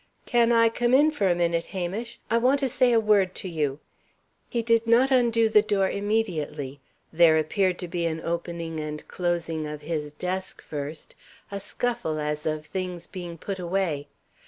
"Can I come in for a minute, Hamish? I want to say a word to you." He did not undo the door immediately. There appeared to be an opening and closing of his desk, first a scuffle, as of things being put away.